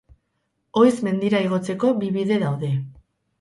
Oiz mendira igotzeko bi bide daude.